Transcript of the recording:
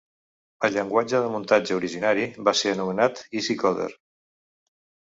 El llenguatge de muntatge originari va ser anomenat Easycoder.